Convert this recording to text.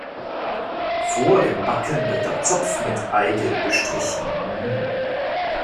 Vor dem Backen wird der Zopf mit Eigelb bestrichen.